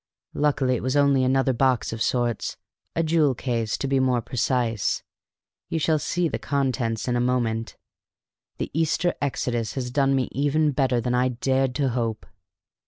Luckily it was only another box of sorts; a jewel case, to be more precise; you shall see the contents in a moment. The Easter exodus has done me even better than I dared to hope."